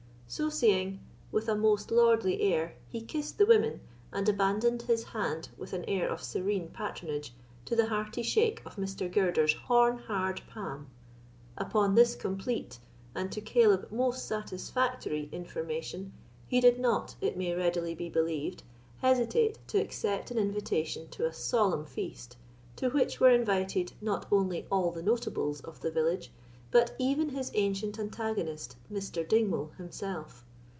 So saying, with a most lordly air he kissed the women, and abandoned his hand, with an air of serene patronage, to the hearty shake of Mr. Girder's horn hard palm. Upon this complete, and to Caleb most satisfactory, information he did not, it may readily be believed, hesitate to accept an invitation to a solemn feast, to which were invited, not only all the notables of the village, but even his ancient antagonist, Mr. Dingwall, himself.